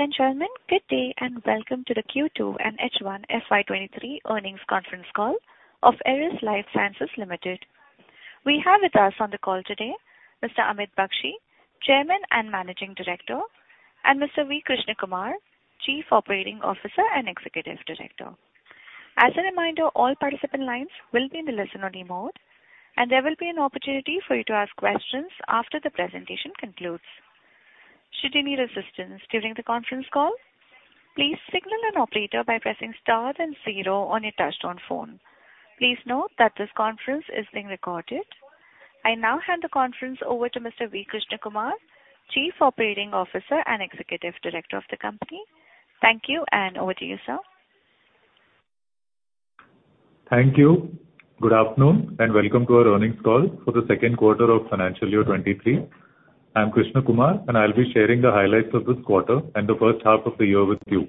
Ladies and gentlemen, good day, and welcome to the Q2 and H1 FY 2023 earnings conference call of Eris Lifesciences Limited. We have with us on the call today Mr. Amit Bakshi, Chairman and Managing Director, and Mr. V. Krishnakumar, Chief Operating Officer and Executive Director. As a reminder, all participant lines will be in the listen-only mode, and there will be an opportunity for you to ask questions after the presentation concludes. Should you need assistance during the conference call, please signal an operator by pressing star then zero on your touchtone phone. Please note that this conference is being recorded. I now hand the conference over to Mr. V. Krishnakumar, Chief Operating Officer and Executive Director of the company. Thank you, and over to you, sir. Thank you. Good afternoon, and welcome to our earnings call for the second quarter of financial year 2023. I'm V. Krishnakumar, and I'll be sharing the highlights of this quarter and the first half of the year with you.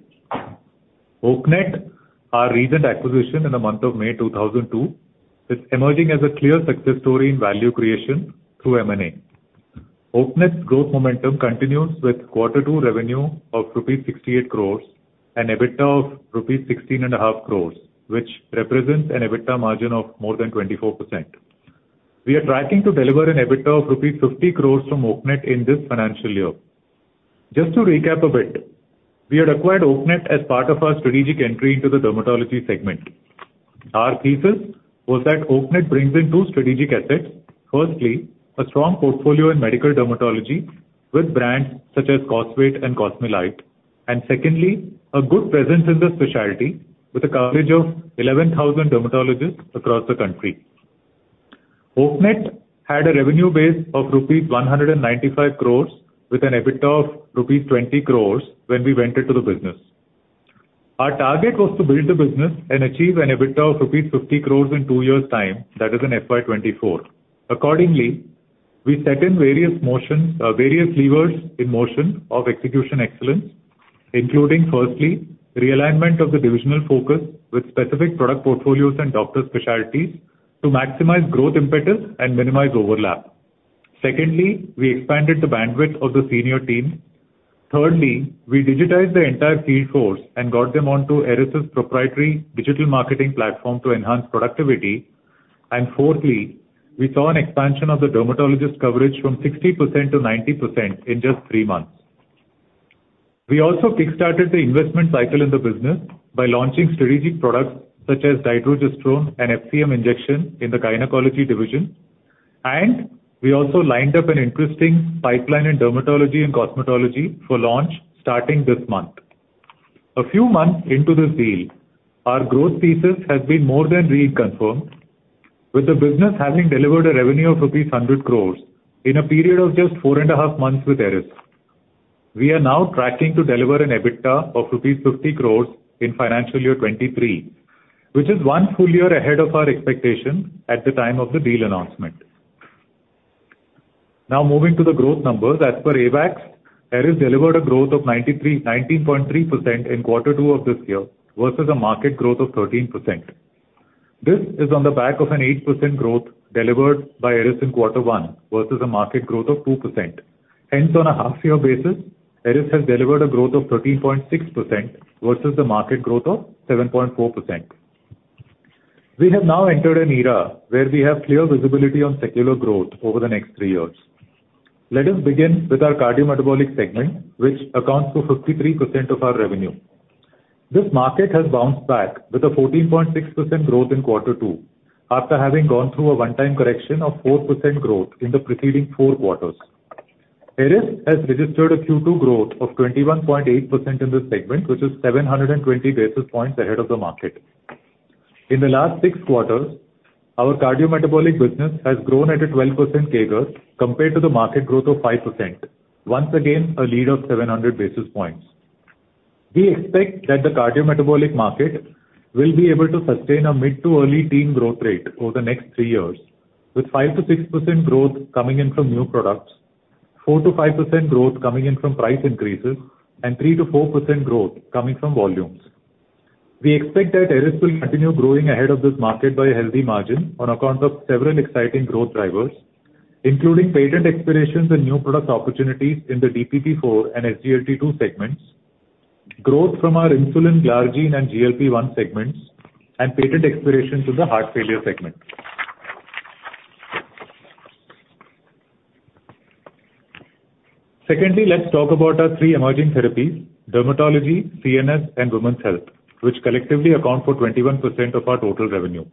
Oaknet, our recent acquisition in the month of May 2022, is emerging as a clear success story in value creation through M&A. Oaknet's growth momentum continues with quarter two revenue of rupees 68 crores and EBITDA of rupees 16.5 crores, which represents an EBITDA margin of more than 24%. We are tracking to deliver an EBITDA of 50 crores rupees from Oaknet in this financial year. Just to recap a bit, we had acquired Oaknet as part of our strategic entry into the Dermatology segment. Our thesis was that Oaknet brings in two strategic assets. Firstly, a strong portfolio in Medical Dermatology with brands such as Cosalic and Cosmelite. Secondly, a good presence in the specialty with a coverage of 11,000 Dermatologists across the country. Oaknet had a revenue base of rupees 195 crores with an EBITDA of rupees 20 crores when we went into the business. Our target was to build the business and achieve an EBITDA of rupees 50 crores in two years' time, that is, in FY 2024. Accordingly, we set various levers in motion of execution excellence, including, firstly, realignment of the divisional focus with specific product portfolios and Doctor specialties to maximize growth impetus and minimize overlap. Secondly, we expanded the bandwidth of the Senior Team. Thirdly, we digitized the entire field force and got them onto Eris's proprietary digital marketing platform to enhance productivity. Fourthly, we saw an expansion of the Dermatologist coverage from 60%-90% in just three months. We also kickstarted the investment cycle in the business by launching strategic products such as Dydrogesterone and FCM injection in the Gynecology Division. We also lined up an interesting pipeline in Dermatology and Cosmetology for launch starting this month. A few months into this deal, our growth thesis has been more than reconfirmed, with the business having delivered a revenue of rupees 100 crores in a period of just 4.5 months with Eris. We are now tracking to deliver an EBITDA of 50 crores rupees in financial year 2023, which is one full year ahead of our expectations at the time of the deal announcement. Now moving to the growth numbers. As per AWACS, Eris delivered a growth of 19.3% in quarter two of this year versus a market growth of 13%. This is on the back of an 8% growth delivered by Eris in quarter one versus a market growth of 2%. Hence, on a half-year basis, Eris has delivered a growth of 13.6% versus the market growth of 7.4%. We have now entered an era where we have clear visibility on secular growth over the next three years. Let us begin with our Cardiometabolic Segment, which accounts for 53% of our revenue. This market has bounced back with a 14.6% growth in quarter two after having gone through a one-time correction of 4% growth in the preceding fourth quarters. Eris has registered a Q2 growth of 21.8% in this segment, which is 720 basis points ahead of the market. In the last six quarters, our Cardiometabolic Business has grown at a 12% CAGR compared to the market growth of 5%. Once again, a lead of 700 basis points. We expect that the Cardiometabolic market will be able to sustain a mid- to early-teen growth rate over the next three years, with 5%-6% growth coming in from new products, 4%-5% growth coming in from price increases, and 3%-4% growth coming from volumes. We expect that Eris will continue growing ahead of this market by a healthy margin on account of several exciting growth drivers, including patent expirations and new product opportunities in the DPP-4 and SGLT2 segments, growth from our Insulin Glargine and GLP-1 segments, and patent expirations in the heart failure segment. Secondly, let's talk about our three emerging therapies, Dermatology, CNS, and Women's Health, which collectively account for 21% of our total revenue.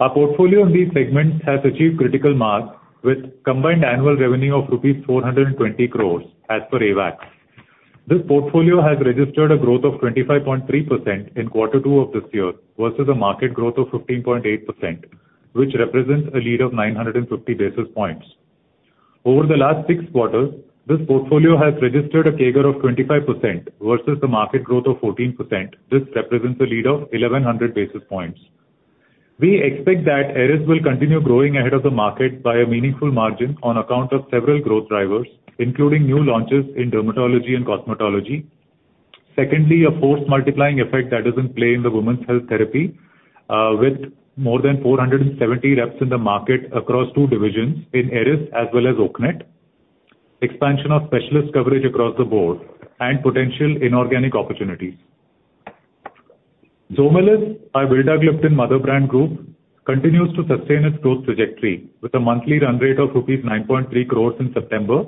Our portfolio in these segments has achieved critical mass with combined annual revenue of rupees 420 crores as per AWACS. This portfolio has registered a growth of 25.3% in quarter two of this year versus a market growth of 15.8%, which represents a lead of 950 basis points. Over the last six quarters, this portfolio has registered a CAGR of 25% versus the market growth of 14%. This represents a lead of 1,100 basis points. We expect that Eris will continue growing ahead of the market by a meaningful margin on account of several growth drivers, including new launches in Dermatology and Cosmetology. secondly, a force multiplying effect that is in play in the Women's Health Therapy with more than 470 reps in the market across two divisions in Eris as well as Oaknet. Expansion of specialist coverage across the board and potential inorganic opportunities. Zomelis, our Vildagliptin mother brand group, continues to sustain its growth trajectory with a monthly run rate of rupees 9.3 crores in September.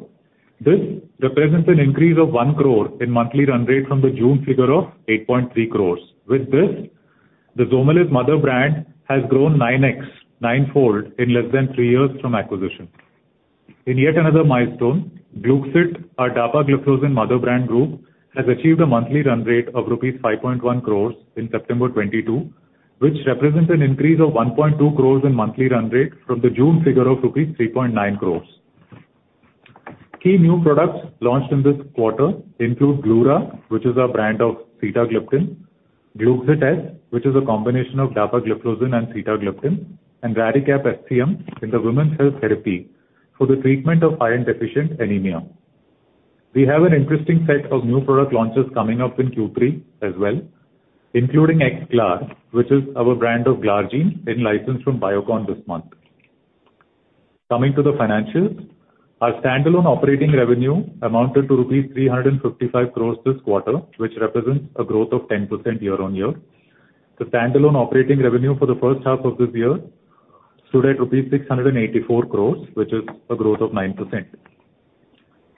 This represents an increase of 1 crore in monthly run rate from the June figure of 8.3 crores. With this, the Zomelis Mother Brand has grown 9x, nine-fold in less than three years from acquisition. In yet another milestone, Gluxit, our Dapagliflozin Mother Brand group, has achieved a monthly run rate of rupees 5.1 crores in September 2022, which represents an increase of 1.2 crores in monthly run rate from the June figure of rupees 3.9 crores. Key new products launched in this quarter include Glura, which is our brand of Sitagliptin, Gluxit S, which is a combination of Dapagliflozin and Sitagliptin, and Raricap FCM in the Women's Health Therapy for the treatment of iron deficiency Anemia. We have an interesting set of new product launches coming up in Q3 as well, including X-Klar, which is our brand of Glargine in-licensed from Biocon this month. Coming to the financials, our standalone operating revenue amounted to INR 355 crores this quarter, which represents a growth of 10% year-on-year. The standalone operating revenue for the first half of this year stood at rupees 684 crores, which is a growth of 9%.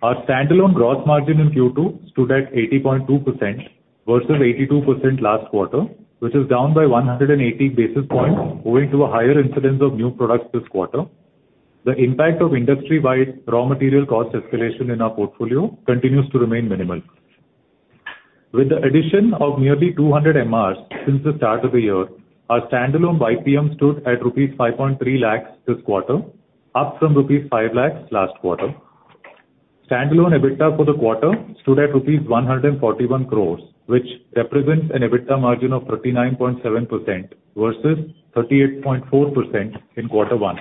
Our standalone gross margin in Q2 stood at 80.2% versus 82% last quarter, which is down by 180 basis points owing to a higher incidence of new products this quarter. The impact of industry-wide raw material cost escalation in our portfolio continues to remain minimal. With the addition of nearly 200 MRs since the start of the year, our standalone YPM stood at rupees 5.3 lakhs this quarter, up from rupees 5 lakhs last quarter. Standalone EBITDA for the quarter stood at rupees 141 crore, which represents an EBITDA margin of 39.7% versus 38.4% in quarter one.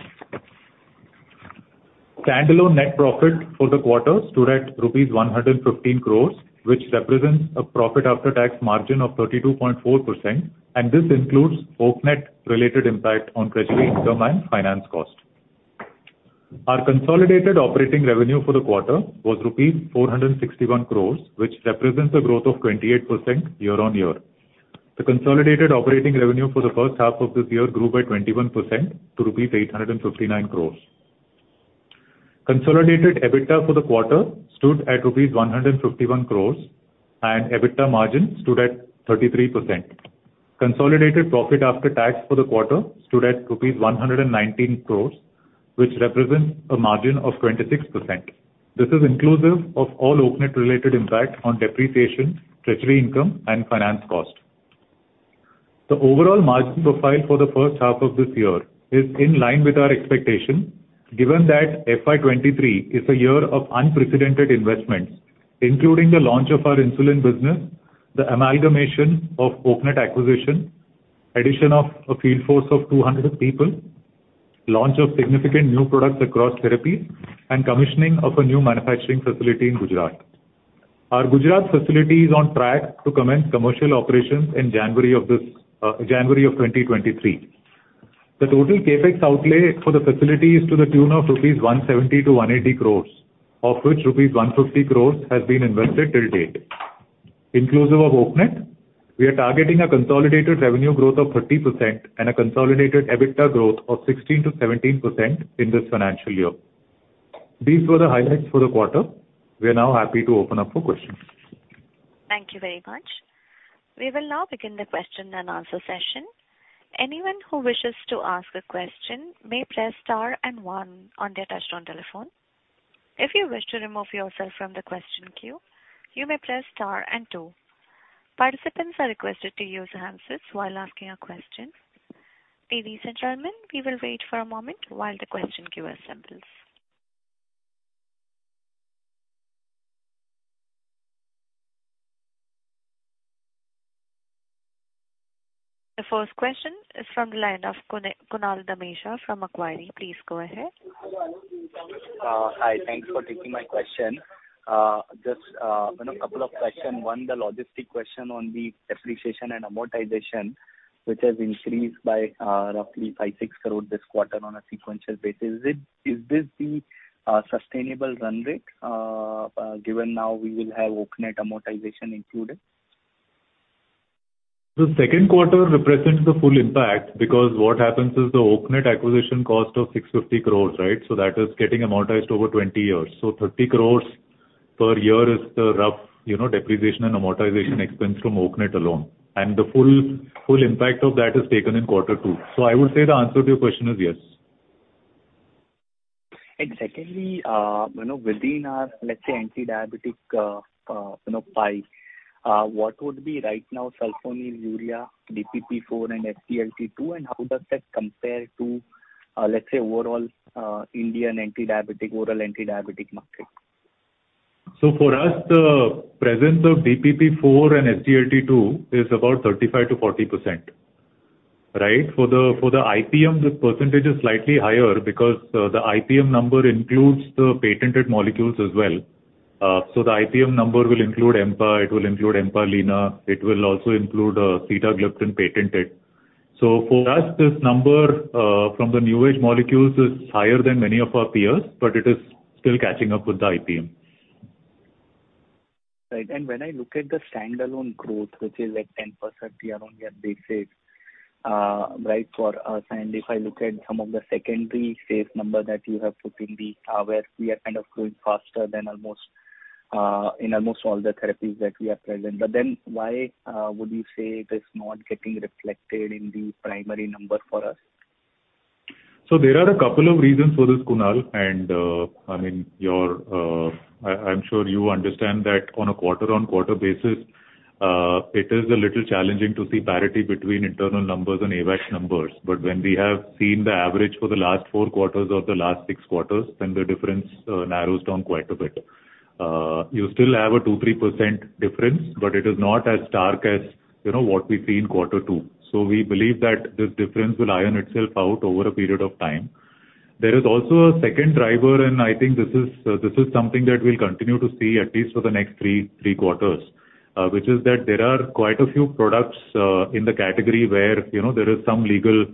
Standalone net profit for the quarter stood at rupees 115 crores, which represents a profit after Tax margin of 32.4%, and this includes Oaknet-related impact on treasury income and finance cost. Our Consolidated operating revenue for the quarter was rupees 461 crores, which represents a growth of 28% year-on-year. The Consolidated operating revenue for the first half of this year grew by 21% to rupees 859 crores. Consolidated EBITDA for the quarter stood at rupees 151 crores, and EBITDA Margin stood at 33%. Consolidated profit after Tax for the quarter stood at rupees 119 crores, which represents a margin of 26%. This is inclusive of all Oaknet-related impact on depreciation, treasury income and finance cost. The overall margin profile for the first half of this year is in line with our expectation, given that FY 2023 is a year of unprecedented investments, including the launch of our Insulin Business, the Amalgamation of Oaknet acquisition, addition of a field force of 200 people, launch of significant new products across Therapies, and commissioning of a new manufacturing facility in Gujarat. Our Gujarat facility is on track to commence commercial operations in January 2023. The total CapEx outlay for the facility is to the tune of 170 crores-180 crores rupees, of which rupees 150 crores has been invested till date. Inclusive of Oaknet, we are targeting a Consolidated revenue growth of 30% and a Consolidated EBITDA growth of 16%-17% in this financial year. These were the highlights for the quarter. We are now happy to open up for questions. Thank you very much. We will now begin the question and answer session. Anyone who wishes to ask a question may press star and one on their touchtone telephone. If you wish to remove yourself from the question queue, you may press star and two. Participants are requested to use handsets while asking a question. Ladies and gentlemen, we will wait for a moment while the question queue assembles. The first question is from the line of Kunal Dhamesha from Macquarie. Please go ahead. Hi. Thanks for taking my question. Just, you know, couple of questions. One, the logistics question on the Depreciation and Amortization, which has increased by roughly 5 crores-6 crores this quarter on a sequential basis. Is this the sustainable run rate, given now we will have Oaknet amortization included? The second quarter represents the full impact because what happens is the Oaknet acquisition cost of 650 crores, right? That is getting amortized over 20 years. 30 crores per year is the rough, you know, Depreciation and Amortization expense from Oaknet alone. The full impact of that is taken in quarter two. I would say the answer to your question is yes. Secondly, you know, within our, let's say, antidiabetic, you know, pie, what would be right now Sulfonylurea, DPP-4 and SGLT2, and how does that compare to, let's say overall, Indian Antidiabetic, Oral Antidiabetic Market? For us, the presence of DPP-4 and SGLT2 is about 35%-40%. Right. For the IPM, this percentage is slightly higher because the IPM number includes the patented molecules as well. So the IPM number will include Empa, it will include Empalina, it will also include Sitagliptin patented. For us, this number from the new age molecules is higher than many of our peers, but it is still catching up with the IPM. Right. When I look at the standalone growth, which is at 10% year-on-year basis, right for us, if I look at some of the secondary sales number that you have put in the AWACS, we are kind of growing faster than almost all the Therapies that we are present. Why would you say it is not getting reflected in the primary number for us? There are a couple of reasons for this, Kunal, and I mean, I'm sure you understand that on a quarter-on-quarter basis, it is a little challenging to see parity between internal numbers and AWACS numbers. When we have seen the average for the last four quarters or the last six quarters, then the difference narrows down quite a bit. You still have a 2%-3% difference, but it is not as stark as, you know, what we see in quarter two. We believe that this difference will iron itself out over a period of time. There is also a second driver, and I think this is something that we'll continue to see at least for the next three quarters, which is that there are quite a few products in the category where, you know, there is some legal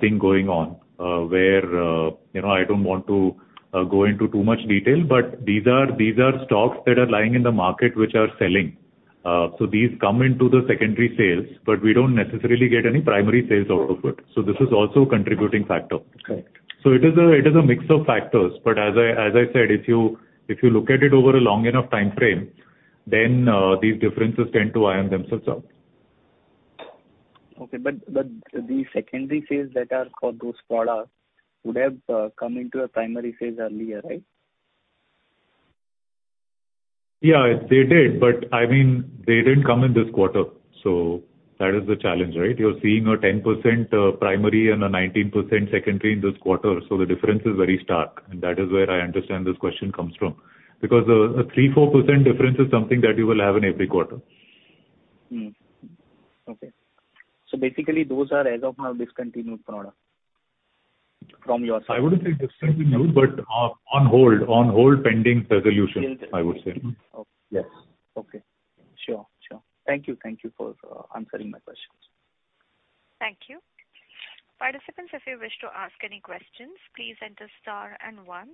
thing going on, where, you know, I don't want to go into too much detail, but these are stocks that are lying in the market which are selling. These come into the secondary sales, but we don't necessarily get any primary sales out of it. This is also a contributing factor. Correct. It is a mix of factors. As I said, if you look at it over a long enough time frame, then these differences tend to iron themselves out. Okay. The secondary sales that are for those products would have come into primary sales earlier, right? Yeah, they did. I mean, they didn't come in this quarter, so that is the challenge, right? You're seeing a 10% primary and a 19% secondary in this quarter. The difference is very stark, and that is where I understand this question comes from. Because a 3%-4% difference is something that you will have in every quarter. Okay. Basically those are as of now discontinued products from your side. I wouldn't say discontinued, but on hold pending resolution. Pending. I would say. Okay. Yes. Okay. Sure. Thank you for answering my questions. Thank you. Participants, if you wish to ask any questions, please enter star and one.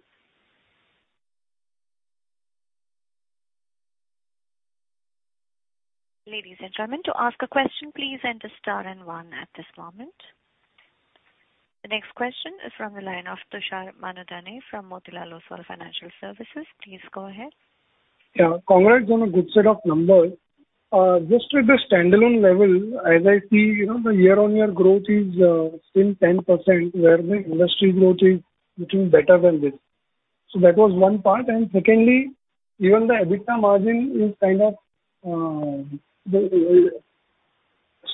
Ladies and gentlemen, to ask a question, please enter star and one at this moment. The next question is from the line of Tushar Manudhane from Motilal Oswal Financial Services. Please go ahead. Yeah. Congrats on a good set of numbers. Just with the standalone level, as I see, you know, the year-on-year growth is still 10%, where the industry growth is looking better than this. That was one part. Secondly, even the EBITDA Margin is kind of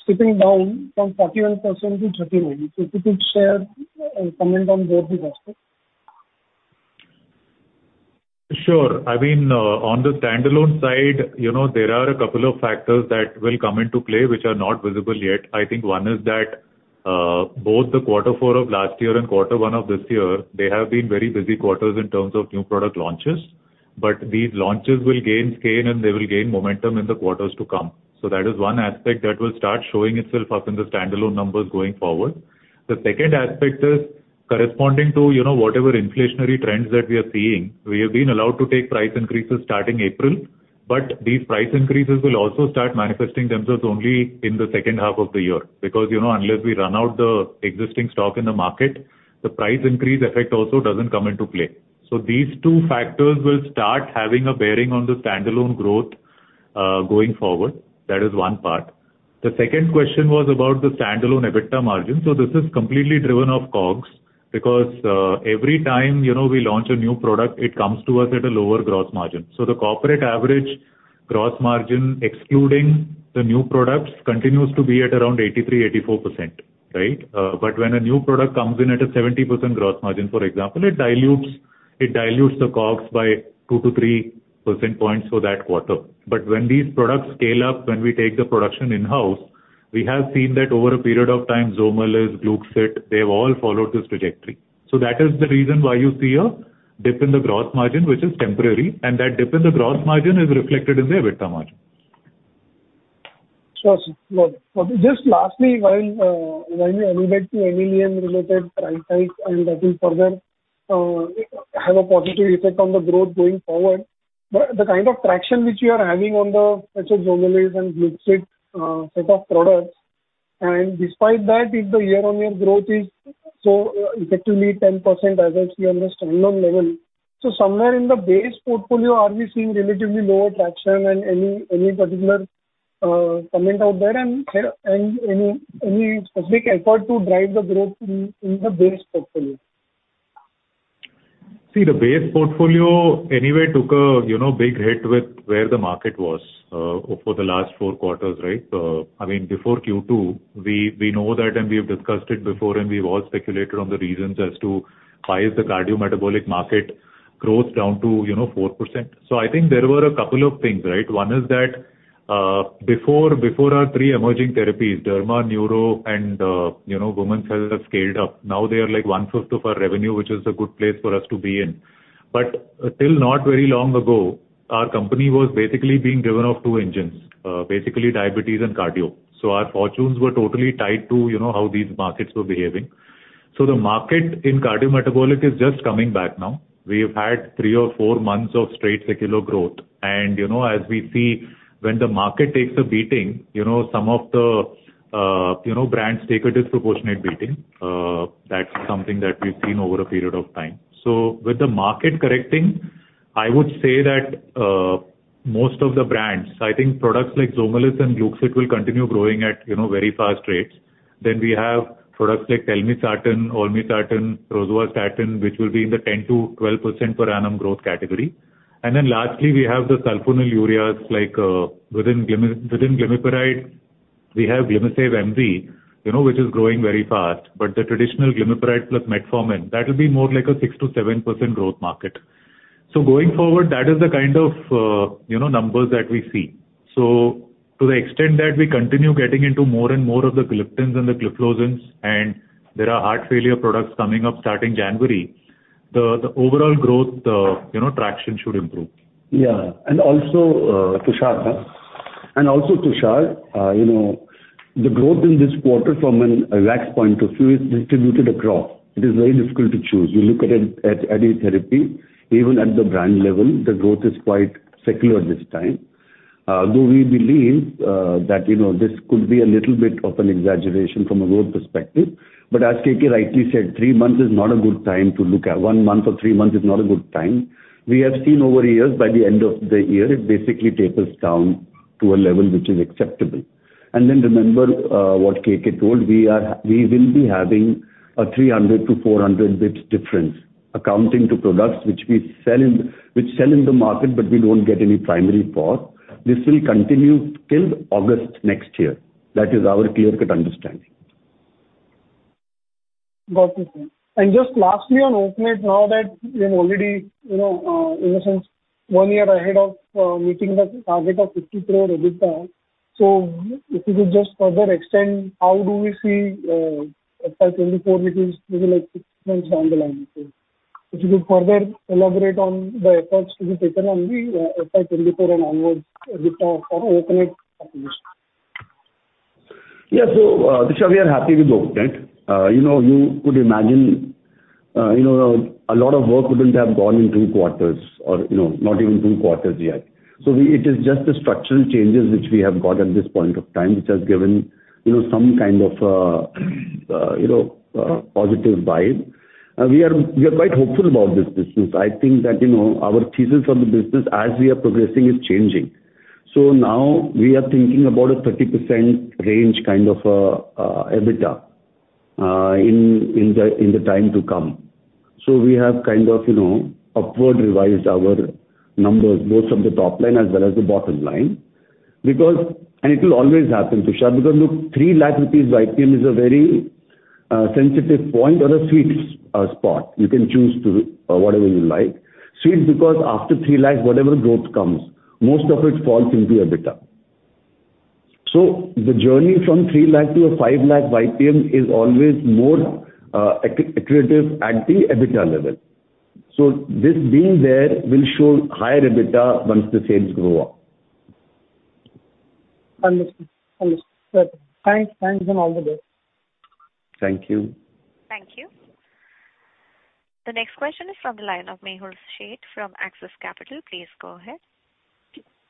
slipping down from 41%-39%. If you could share or comment on both the aspects. Sure. I mean, on the standalone side, you know, there are a couple of factors that will come into play which are not visible yet. I think one is that, both the quarter four of last year and quarter one of this year, they have been very busy quarters in terms of new product launches. These launches will gain scale, and they will gain momentum in the quarters to come. That is one aspect that will start showing itself up in the standalone numbers going forward. The second aspect is corresponding to, you know, whatever inflationary trends that we are seeing. We have been allowed to take price increases starting April, but these price increases will also start manifesting themselves only in the second half of the year. Because, you know, unless we run out the existing stock in the market, the price increase effect also doesn't come into play. These two factors will start having a bearing on the standalone growth, going forward. That is one part. The second question was about the standalone EBITDA Margin. This is completely driven off COGS because, every time, you know, we launch a new product, it comes to us at a lower gross margin. The corporate average gross margin, excluding the new products, continues to be at around 83%-84%, right? But when a new product comes in at a 70% gross margin, for example, it dilutes the COGS by two-three percentage points for that quarter. When these products scale up, when we take the production in-house, we have seen that over a period of time, Zomelis, Gluxit, they've all followed this trajectory. That is the reason why you see a dip in the gross margin, which is temporary, and that dip in the gross margin is reflected in the EBITDA Margin. Sure. Just lastly, while you alluded to NLEM related price hikes and that will further have a positive effect on the growth going forward. The kind of traction which you are having on the, let's say, Zomelis and Gluxit set of products, and despite that if the year-on-year growth is so effectively 10% as I see on the standalone level. Somewhere in the base portfolio are we seeing relatively lower traction and any particular comment out there and any specific effort to drive the growth in the base portfolio? See, the base portfolio anyway took a, you know, big hit with where the market was for the last four quarters, right? I mean, before Q2, we know that and we have discussed it before and we've all speculated on the reasons as to why is the Cardiometabolic Market growth down to, you know, 4%. I think there were a couple of things, right? One is that, before our three emerging therapies, derma, neuro and, you know, women's health have scaled up. Now they are like 1/5 of our revenue, which is a good place for us to be in. Till not very long ago, our company was basically being driven off two engines, basically Diabetes and Cardio. Our fortunes were totally tied to, you know, how these markets were behaving. The market in Cardiometabolic is just coming back now. We've had three or four months of straight secular growth. You know, as we see when the market takes a beating, you know, some of the, you know, brands take a disproportionate beating. That's something that we've seen over a period of time. With the market correcting, I would say that, most of the brands, I think products like Zomelis and Gluxit will continue growing at, you know, very fast rates. We have products like Telmisartan, Olmesartan, Rosuvastatin, which will be in the 10%-12% per Annum growth category. We have the Sulfonylureas, like, within Glimepiride, we have Glimisave MV, you know, which is growing very fast. The traditional Glimepiride plus Metformin, that will be more like a 6%-7% growth market. Going forward, that is the kind of, you know, numbers that we see. To the extent that we continue getting into more and more of the Gliptins and the Gliflozins, and there are heart failure products coming up starting January, the overall growth, you know, traction should improve. Yeah. Also, Tushar, you know, the growth in this quarter from an AWACS point of view is distributed across. It is very difficult to choose. You look at it at any Therapy, even at the brand level, the growth is quite secular this time. Though we believe that, you know, this could be a little bit of an exaggeration from a growth perspective. As KK rightly said, three months is not a good time to look at. One month or three months is not a good time. We have seen over years, by the end of the year, it basically tapers down to a level which is acceptable. Remember what KK told. We will be having a 300-400 basis points difference accounting for products which we sell in, which sell in the market, but we don't get any primary for. This will continue till August next year. That is our clear-cut understanding. Got it, sir. Just lastly on Oaknet, now that we have already, you know, in a sense one year ahead of meeting the target of 50 crores EBITDA, if you could just further extend how we see FY 2024, which is maybe like six months down the line. If you could further elaborate on the efforts to be taken on the FY 2024 and onwards EBITDA for Oaknet acquisition. Yeah. Tushar, we are happy with Oaknet. You know, you could imagine, you know, a lot of work wouldn't have gone in two quarters or, you know, not even two quarters yet. It is just the structural changes which we have got at this point of time, which has given, you know, some kind of positive vibe. We are quite hopeful about this business. I think that, you know, our thesis of the business as we are progressing is changing. Now we are thinking about a 30% range kind of EBITDA in the time to come. We have kind of, you know, upward revised our numbers, both from the top line as well as the bottom line because It will always happen, Tushar, because, look, 3 Lakhs rupees YPM is a very sensitive point or a sweet spot. You can choose to whatever you like. Sweet because after 3 Lakhs, whatever growth comes, most of it falls into EBITDA. The journey from 3 Lakhs to a 5 Lakhs YPM is always more accretive at the EBITDA level. This being there will show higher EBITDA once the sales grow up. Understood. Okay. Thanks, and all the best. Thank you. Thank you. The next question is from the line of Mehul Sheth from Axis Capital. Please go ahead.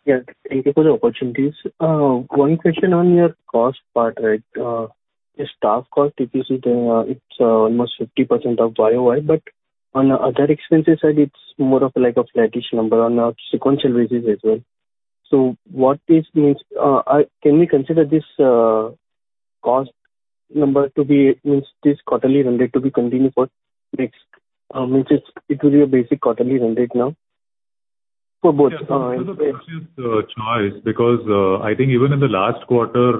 Yes. Thank you for the opportunity. One question on your cost part, right? Your staff cost TPC, it's almost 50% YoY, but on other expenses side, it's more of like a flattish number on a sequential basis as well. What this means. Can we consider this cost number? Means this quarterly run rate to be continued for next, which is, it will be a basic quarterly run rate now for both? Yes. This is choice because I think even in the last quarter,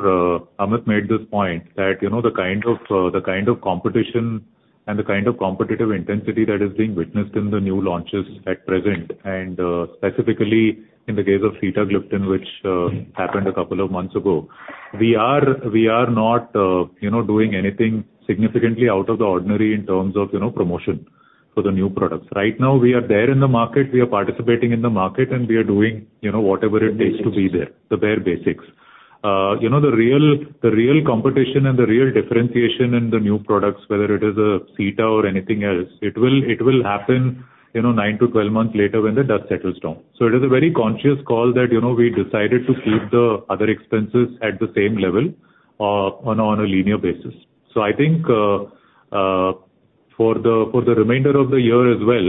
Amit made this point that, you know, the kind of competition and the kind of competitive intensity that is being witnessed in the new launches at present, and specifically in the case of Sitagliptin, which happened a couple of months ago. We are not, you know, doing anything significantly out of the ordinary in terms of, you know, promotion for the new products. Right now, we are there in the market, we are participating in the market, and we are doing, you know, whatever it takes to be there. The bare basics. The bare basics. You know, the real competition and the real differentiation in the new products, whether it is a Sitagliptin or anything else, it will happen, you know, nine-12 months later when the dust settles down. It is a very conscious call that, you know, we decided to keep the other expenses at the same level on a linear basis. I think, for the remainder of the year as well,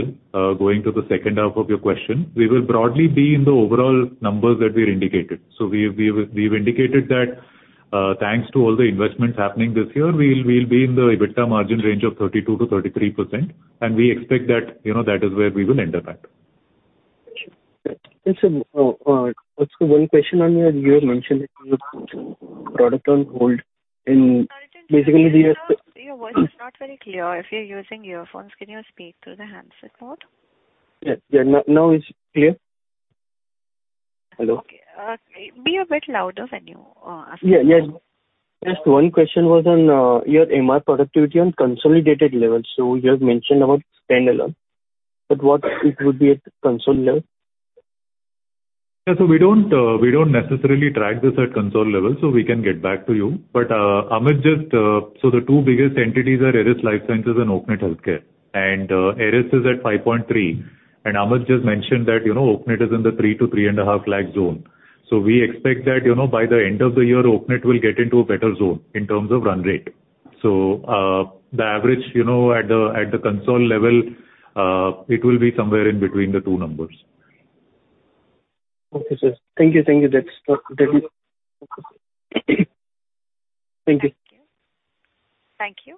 going to the second half of your question, we will broadly be in the overall numbers that we had indicated. We've indicated that, thanks to all the investments happening this year, we'll be in the EBITDA Margin range of 32%-33%, and we expect that, you know, that is where we will end up at. Sure. Yes, sir. Also, one question on your. You had mentioned that product on hold in- Sorry to interrupt. Your voice is not very clear. If you're using earphones, can you speak through the handset mode? Yeah. Now it's clear? Hello. Okay, be a bit louder when you ask your question. Yeah, yes. Just one question was on your MR productivity on Consolidated levels. You have mentioned about standalone, but what it would be at Consol level? Yeah. We don't necessarily track this at Consol level, so we can get back to you. The two biggest entities are Eris Lifesciences and Oaknet Healthcare. Eris is at 5.3 Lakhs, and Amit just mentioned that, you know, Oaknet is in the 3 Lakhs-3.5 Lakhs zone. We expect that, you know, by the end of the year, Oaknet will get into a better zone in terms of run rate. The average, you know, at the Consol level, it will be somewhere in between the two numbers. Okay, sir. Thank you. Thank you. Thank you. Thank you.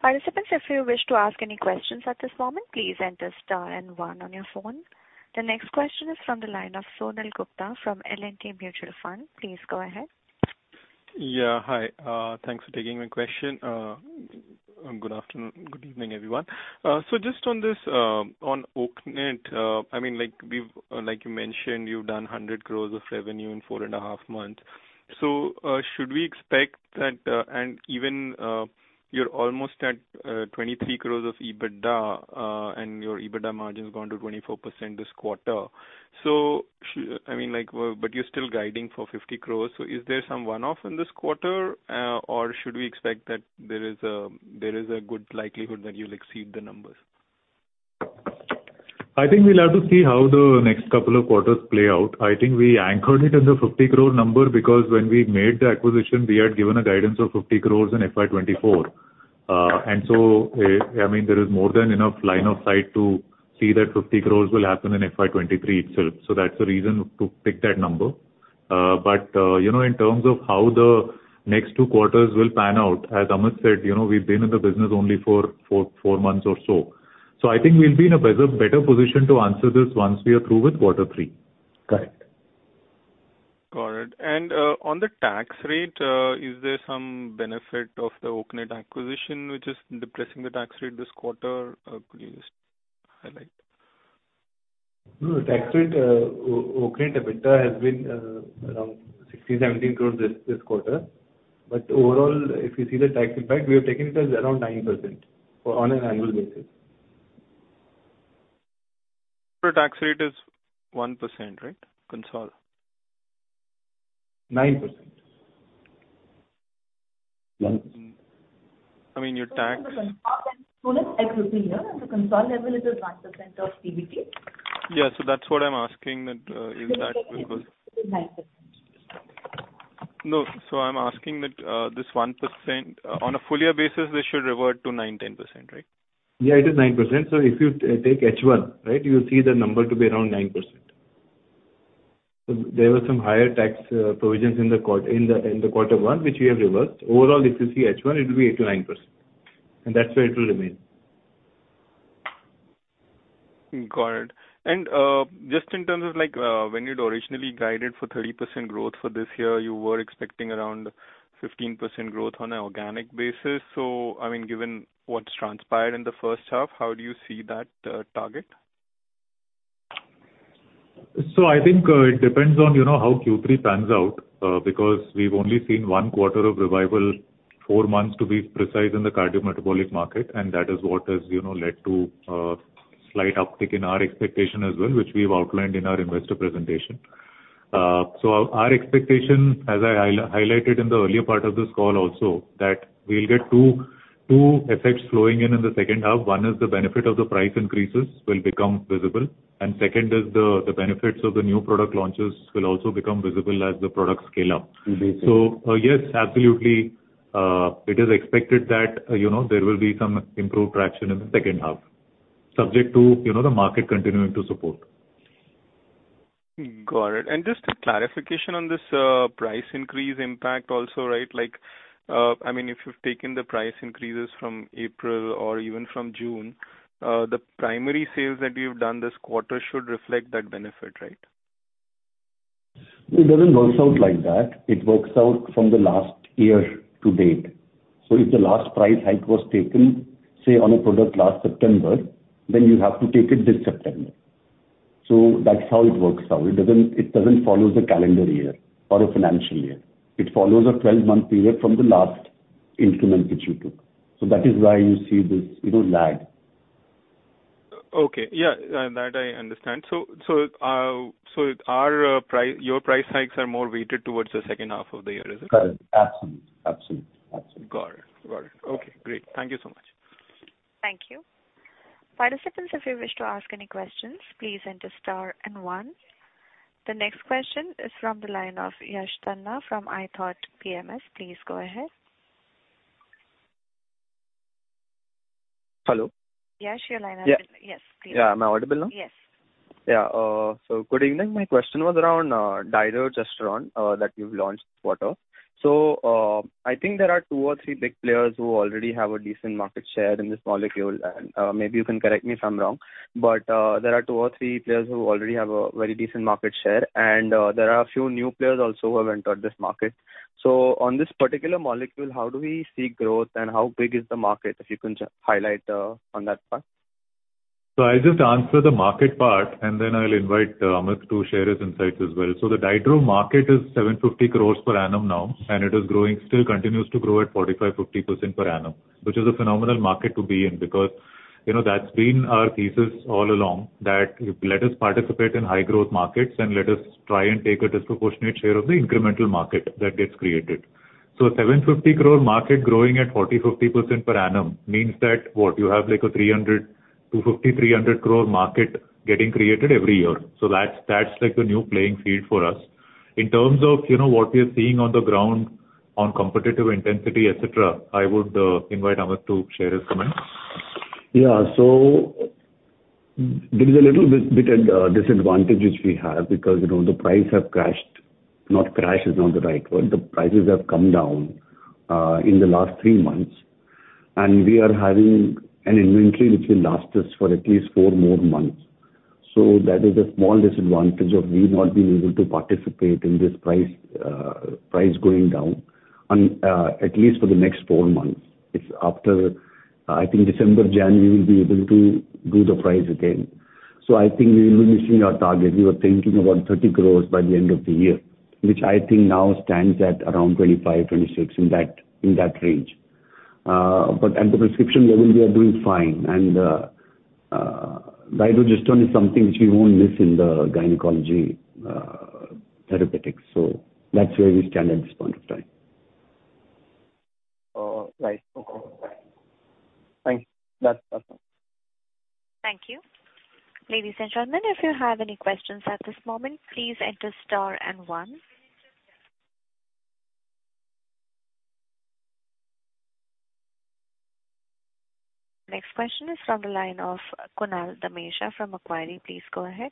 Participants, if you wish to ask any questions at this moment, please enter star and one on your phone. The next question is from the line of Sonal Gupta from L&T Mutual Fund. Please go ahead. Yeah, hi. Thanks for taking my question. Good evening, everyone. Just on this, on Oaknet, I mean, like we've, like you mentioned, you've done 100 crores of revenue in four and a half months. Should we expect that, and even, you're almost at, 23 crores of EBITDA, and your EBITDA margin has gone to 24% this quarter. I mean, like, but you're still guiding for 50 crores. Is there some one-off in this quarter, or should we expect that there is a good likelihood that you'll exceed the numbers? I think we'll have to see how the next couple of quarters play out. I think we anchored it in the 50 crores number because when we made the acquisition, we had given a guidance of 50 crores in FY 2024. I mean, there is more than enough line of sight to see that 50 crores will happen in FY 2023 itself. That's the reason to pick that number. You know, in terms of how the next two quarters will pan out, as Amit said, you know, we've been in the business only for four months or so. I think we'll be in a better position to answer this once we are through with quarter three. Correct. Got it. On the Tax rate, is there some benefit of the Oaknet acquisition which is depressing the Tax rate this quarter? Could you just highlight? No, the Tax rate, Oaknet EBITDA has been around 60-70 crores this quarter. Overall, if you see the Tax impact, we have taken it as around 9% on an annual basis. Tax rate is 1%, right? Consol. 9%. I mean, your Tax Here, the Consol level is at 1% of PBT. Yeah. That's what I'm asking, is that because 9%. No. I'm asking that, this 1% on a full year basis, this should revert to 9%-10%, right? Yeah, it is 9%. If you take H1, right? You'll see the number to be around 9%. There were some higher Tax provisions in the quarter one, which we have reversed. Overall, if you see H1, it will be 8%-9%, and that's where it will remain. Got it. Just in terms of like, when you'd originally guided for 30% growth for this year, you were expecting around 15% growth on an organic basis. I mean, given what's transpired in the first half, how do you see that target? I think it depends on, you know, how Q3 pans out, because we've only seen one quarter of revival, four months to be precise, in the Cardiometabolic Market, and that is what has, you know, led to slight uptick in our expectation as well, which we've outlined in our investor presentation. Our expectation, as I highlighted in the earlier part of this call also, that we'll get two effects flowing in in the second half. One is the benefit of the price increases will become visible, and second is the benefits of the new product launches will also become visible as the products scale up. Yes, absolutely, it is expected that, you know, there will be some improved traction in the second half, subject to, you know, the market continuing to support. Got it. Just a clarification on this, price increase impact also, right? Like, I mean, if you've taken the price increases from April or even from June, the primary sales that you've done this quarter should reflect that benefit, right? It doesn't work out like that. It works out from the last year to date. If the last price hike was taken, say on a product last September, then you have to take it this September. That's how it works out. It doesn't follow the calendar year or a financial year. It follows a twelve-month period from the last increment which you took. That is why you see this, you know, lag. Okay. Yeah, that I understand. Are your price hikes more weighted towards the second half of the year, is it? Correct. Absolutely. Got it. Okay, great. Thank you so much. Thank you. Participants, if you wish to ask any questions, please enter star and one. The next question is from the line of Yash Tanna from ithoughtPMS. Please go ahead. Hello. Yash Tanna, your line has been. Yeah. Yes, please. Yeah. Am I audible now? Yes. Yeah. Good evening. My question was around Dydrogesterone that you've launched this quarter. I think there are two or three big players who already have a decent market share in this molecule, and maybe you can correct me if I'm wrong. There are two or three players who already have a very decent market share, and there are a few new players also who have entered this market. On this particular molecule, how do we see growth and how big is the market, if you can just highlight on that part? I'll just answer the market part, and then I'll invite Amit to share his insights as well. The Dydro Market is 750 crores Per Annum now, and it is growing, still continues to grow at 45%-50% Per Annum, which is a Phenomenal Market to be in because, you know, that's been our thesis all along, that let us participate in high Growth Markets and let us try and take a disproportionate share of the Incremental Market that gets created. 750 crores market growing at 45%-50% per annum means that what you have like a 300 crores-350 crores market getting created every year. That's like a new playing field for us. In terms of, you know, what we are seeing on the ground on competitive intensity, et cetera, I would invite Amit to share his comments. Yeah. There is a little bit of disadvantage which we have because, you know, the price have crashed. Crash is not the right word. The prices have come down in the last three months, and we are having an inventory which will last us for at least four more months. That is a small disadvantage of we not being able to participate in this price going down and at least for the next four months. It's after, I think December-January, we'll be able to do the price again. I think we will be missing our target. We were thinking about 30 crores by the end of the year, which I think now stands at around 25%-26% in that range. At the prescription level, we are doing fine and Dydrogesterone is something which we won't miss in the Gynecology Therapeutics. That's where we stand at this point of time. Right. Okay. Thanks. That's all. Thank you. Ladies and gentlemen, if you have any questions at this moment, please enter star and one. Next question is from the line of Kunal Dhamesha from Macquarie. Please go ahead.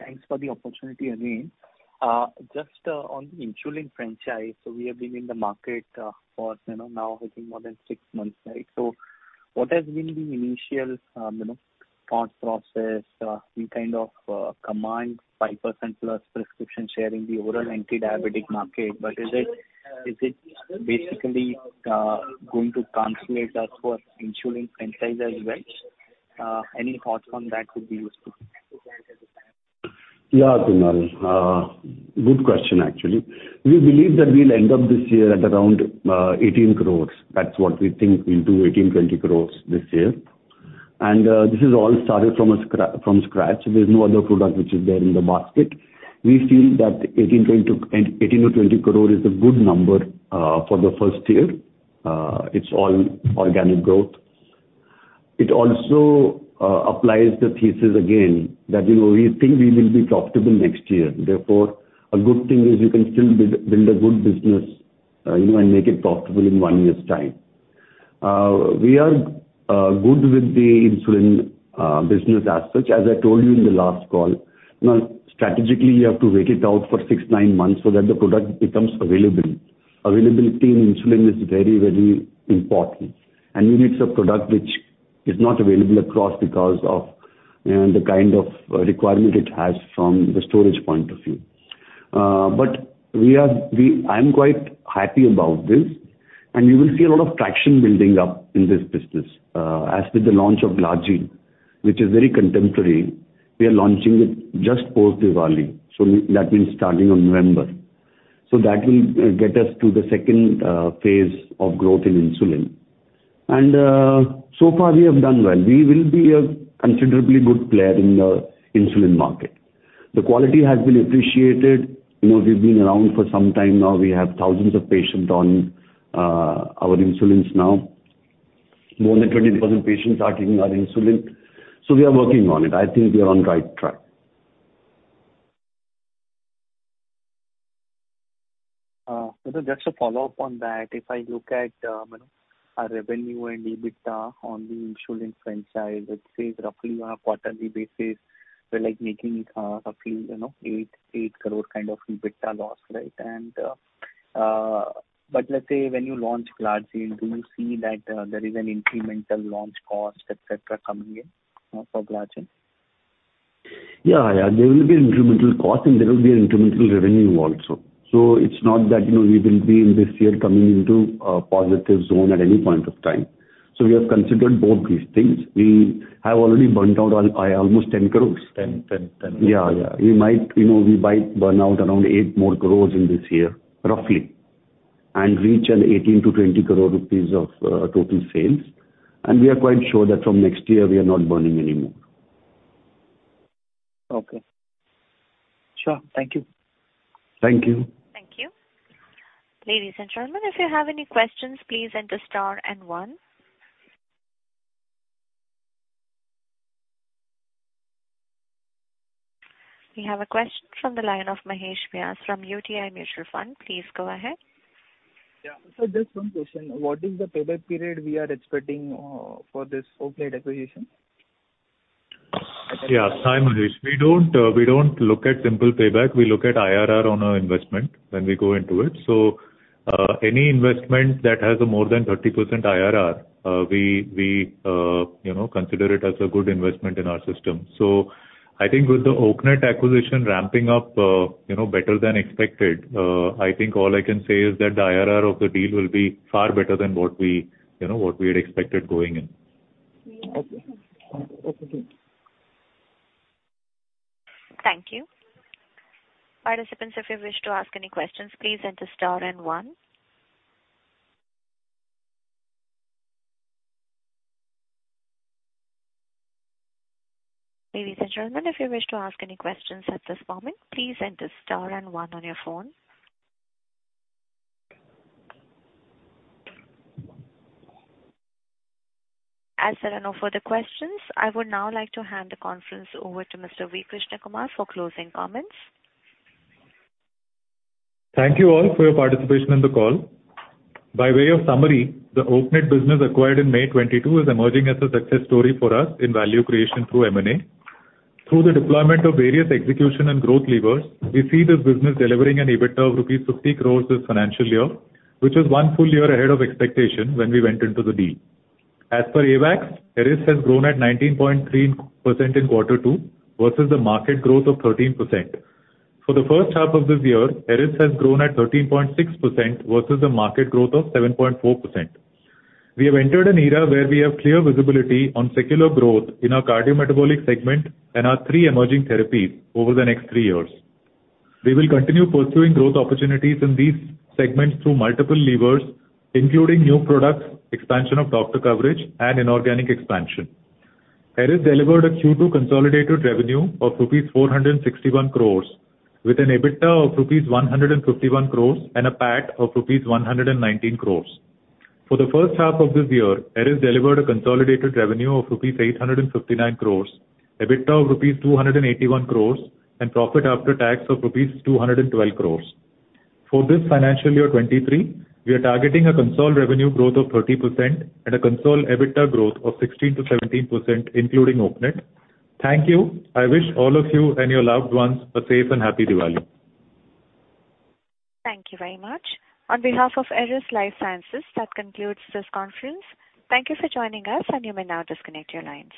Thanks for the opportunity again. Just on the Insulin Franchise. We have been in the market for you know now I think more than six months right? What has been the initial you know thought process? We kind of command 5% plus prescription share in the oral Anti-Diabetic Market. Is it basically going to translate us for Insulin Franchise as well? Any thoughts on that would be useful. Yeah, Kunal. Good question actually. We believe that we'll end up this year at around 18 crores. That's what we think we'll do, 18 crores-20 crores this year. This is all started from scratch. There's no other product which is there in the market. We feel that 18 crores -20 crores is a good number for the first year. It's all organic growth. It also applies the thesis again that, you know, we think we will be profitable next year. Therefore, a good thing is you can still build a good business, you know, and make it profitable in one year's time. We are good with the Insulin Business as such. As I told you in the last call, you know, strategically you have to wait it out for six-nine months so that the product becomes available. Availability in Insulin is very, very important, and it's a product which is not available across because of, you know, the kind of requirement it has from the storage point of view. I'm quite happy about this, and you will see a lot of traction building up in this business, as with the launch of Glargine, which is very contemporary. We are launching it just Post-Diwali, so that means starting on November. That will get us to the second phase of growth in Insulin. So far we have done well. We will be a considerably good player in the Insulin Market. The quality has been appreciated. You know, we've been around for some time now. We have thousands of patients on our Insulins now. More than 20,000 patients are taking our Insulin. We are working on it. I think we are on right track. Just a follow-up on that. If I look at our revenue and EBITDA on the Insulin Franchise, let's say roughly on a quarterly basis, we're like making roughly, you know, 8 crores kind of EBITDA loss. Right? But let's say when you launch Glargine, do you see that there is an incremental launch cost, et cetera, coming in for Glargine? Yeah. There will be Incremental Cost, and there will be Incremental Revenue also. It's not that, you know, we will be in this year coming into a positive zone at any point of time. We have considered both these things. We have already burnt out almost 10 crores. 10 crores. Yeah. We might, you know, burn out around 8 crores more in this year, roughly, and reach 18 crores-20 crores rupees of total sales. We are quite sure that from next year we are not burning any more. Okay. Sure. Thank you. Thank you. Thank you. Ladies and gentlemen, if you have any questions, please enter star and one. We have a question from the line of Mahesh Vyas from UTI Mutual Fund. Please go ahead. Yeah. Just one question. What is the payback period we are expecting for this Oaknet acquisition? Yeah. Hi, Mahesh. We don't look at simple payback. We look at IRR on our investment when we go into it. Any investment that has more than 30% IRR, we you know consider it as a good investment in our system. I think with the Oaknet acquisition ramping up, you know better than expected, I think all I can say is that the IRR of the deal will be far better than what we you know had expected going in. Okay. Thank you. Participants, if you wish to ask any questions, please enter star and one. Ladies and gentlemen, if you wish to ask any questions at this moment, please enter star and one on your phone. As there are no further questions, I would now like to hand the conference over to Mr. V. Krishnakumar for closing comments. Thank you all for your participation in the call. By way of summary, the Oaknet Business acquired in May 2022 is emerging as a success story for us in value creation through M&A. Through the deployment of various execution and growth levers, we see this business delivering an EBITDA of rupees 50 crores this financial year, which is one full year ahead of expectation when we went into the deal. As per AWACS, Eris has grown at 19.3% in quarter two versus the market growth of 13%. For the first half of this year, Eris has grown at 13.6% versus the market growth of 7.4%. We have entered an era where we have clear visibility on secular growth in our Cardiometabolic Segment and our three emerging therapies over the next three years. We will continue pursuing growth opportunities in these segments through multiple levers, including new products, expansion of doctor coverage, and inorganic expansion. Eris delivered a Q2 Consolidated revenue of rupees 461 crores with an EBITDA of rupees 151 crores and a PAT of rupees 119 crores. For the first half of this year, Eris delivered a Consolidated Revenue of rupees 859 crores, EBITDA of rupees 281 crores, and profit after Tax of rupees 212 crores. For this financial year 2023, we are targeting a Consolidated Revenue Growth of 30% and a Consolidated EBITDA growth of 16%-17%, including Oaknet. Thank you. I wish all of you and your loved ones a safe and happy Diwali. Thank you very much. On behalf of Eris Lifesciences, that concludes this conference. Thank you for joining us, and you may now disconnect your lines.